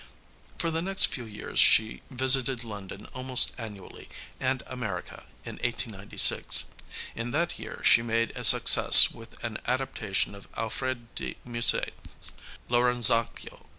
For the next few years she visited London almost annually, and America in 1896. In that year she made a success with an adaptation of Alfred de Musset's Lorenzaccio.